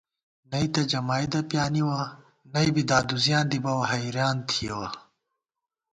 نئ تہ جمائید پیانِوَہ نہ بی دادُزِیاں دی بَوَہ حېریان تھِوَہ